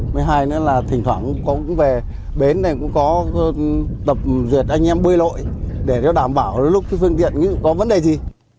với hai nữa là thỉnh thoảng cũng về bến này cũng có tập duyệt anh em bơi lội để nó đảm bảo lúc phương tiện có vấn đề gì